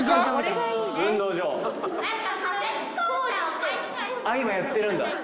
今やってるんだ。